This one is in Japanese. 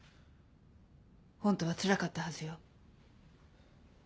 本当はつらかったはずよ。